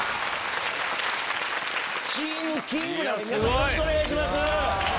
よろしくお願いします。